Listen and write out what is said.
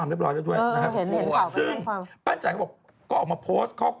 ไม่ออกไม่ใช่